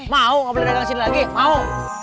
mau nggak boleh dagang sini lagi mau